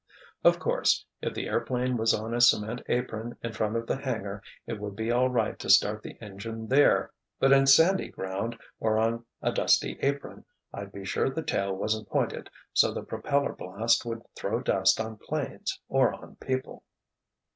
"Of course, if the airplane was on a cement apron in front of the hangar, it would be all right to start the engine there. But in sandy ground, or on a dusty apron, I'd be sure the tail wasn't pointed so the propeller blast would throw dust on 'planes or on people."